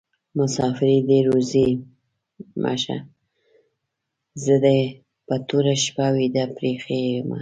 مسافري دي روزي مشه: زه دي په توره شپه ويده پریښي يمه